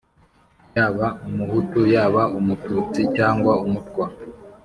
yaba Umuhutu, yaba Umututsi cyangwa Umutwa